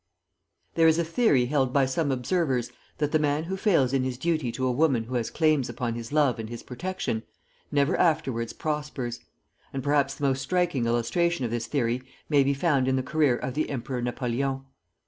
There is a theory held by some observers that the man who fails in his duty to a woman who has claims upon his love and his protection, never afterwards prospers; and perhaps the most striking illustration of this theory may be found in the career of the Emperor Napoleon.